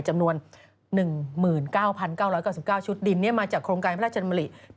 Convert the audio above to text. จำนวน๑๙๙๙๙๙ชุดดินมาจากโครงการพระราชมริ